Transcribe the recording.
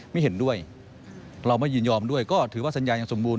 ไม่เห็นด้วยเราไม่ยินยอมด้วยก็ถือว่าสัญญายังสมบูร